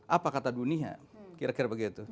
apa kata dunia kira kira begitu